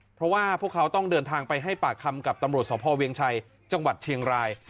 เพราะว่าพวกเขาต้องเดินทางไปให้ปากคำกับตำรวจสพเวียงชัยจังหวัดเชียงราย